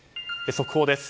速報です。